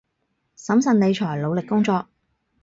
審慎理財，努力工作